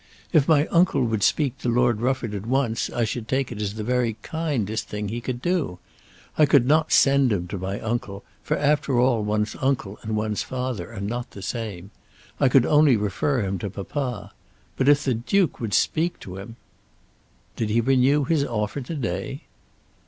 If my uncle would speak to Lord Rufford at once I should take it as the very kindest thing he could do. I could not send him to my uncle; for, after all, one's uncle and one's father are not the same. I could only refer him to papa. But if the Duke would speak to him!" "Did he renew his offer to day?"